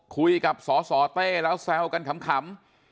คุยกับสสเต้แล้วแซวกันขำ